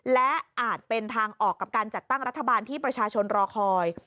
และอาจเป็นทางออกกับการจัดตั้งรัฐบาลที่ประชาชนรอคอย